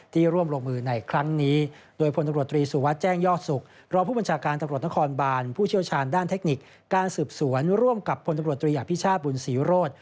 จังหวัดสุราธานีประชุมเจ้านาที่ชุดศูนย์สวน